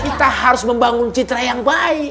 kita harus membangun citra yang baik